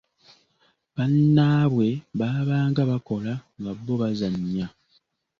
Bannaabwe baabanga bakola nga bo bazannya.